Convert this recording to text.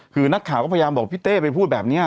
คือนักข่าวก็พยายามบอกพี่เต้ไปพูดแบบนี้